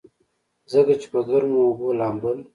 ځکه چې پۀ ګرمو اوبو لامبل